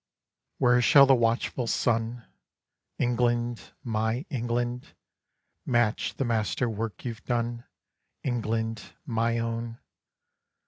Where shall the watchful sun, England, my England, Match the master work you've done, England, my own?